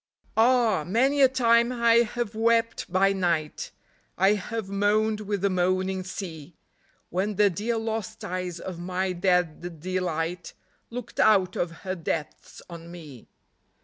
Ah, many a time I have wept by night, I have moaned with the moaning sea, When the dear lost eyes of my dead delight Looked out of her depths on me.